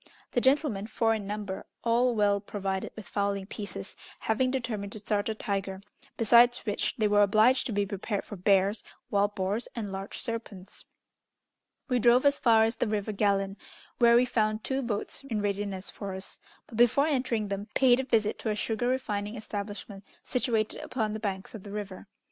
The gentlemen, four in number, all well provided with fowling pieces, having determined to start a tiger, besides which they were obliged to be prepared for bears, wild boars, and large serpents. We drove as far as the river Gallon, where we found two boats in readiness for us, but, before entering them, paid a visit to a sugar refining establishment situated upon the banks of the river.